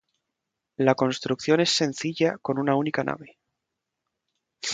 La construcción es sencilla, con una única nave.